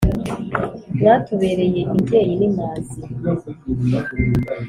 mwatubereye imbyeyi n’imazi,